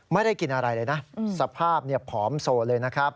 ไม่ได้กินอะไรเลยนะสภาพผอมโซเลยนะครับ